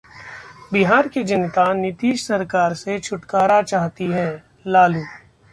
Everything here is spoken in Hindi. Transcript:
बिहार की जनता नीतीश सरकार से छुटकारा चाहती है: लालू